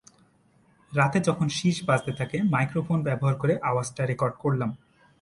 রাতে যখন শিস বাজতে থাকে, মাইক্রোফোন ব্যবহার করে আওয়াজটা রেকর্ড করলাম।